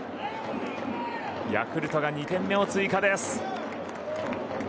ヤクルトが２点目を追加です。